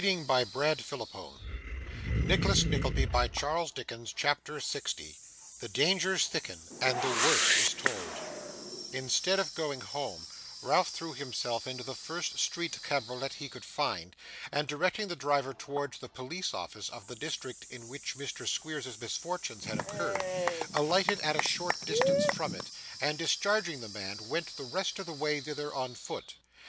Thus they parted, for that time; but the worst had not come yet. CHAPTER 60 The Dangers thicken, and the Worst is told Instead of going home, Ralph threw himself into the first street cabriolet he could find, and, directing the driver towards the police office of the district in which Mr. Squeers's misfortunes had occurred, alighted at a short distance from it, and, discharging the man, went the rest of his way thither on foot.